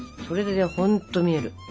それで本当見える。